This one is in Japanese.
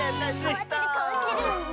かわってるかわってる！